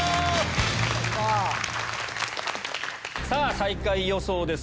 最下位予想です